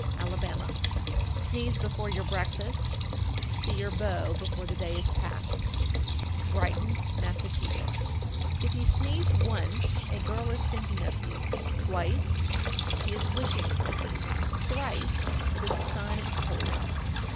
Alabama. 1432. Sneeze before your breakfast, See your beau before the day is past. Brighton, Mass. 1433. If you sneeze once, a girl is thinking of you; twice, she is wishing for you; thrice, it is a sign of a cold.